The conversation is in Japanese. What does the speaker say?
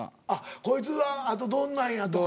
こいつはあとどんなやとか。